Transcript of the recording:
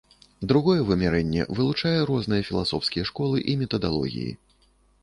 Другое вымярэнне вылучае розныя філасофскія школы і метадалогіі.